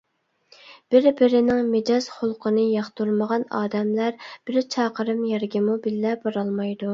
بىر-بىرىنىڭ مىجەز-خۇلقىنى ياقتۇرمىغان ئادەملەر بىر چاقىرىم يەرگىمۇ بىللە بارالمايدۇ.